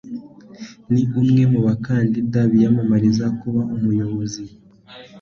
Ni umwe mu bakandida biyamamariza kuba umuyobozi.